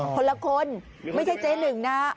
คนละคนไม่ใช่เจ๊หนึ่งนะ